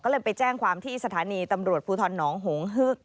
ก็เลยไปแจ้งความที่สถานีตำรวจภูทรหนองหงฮึก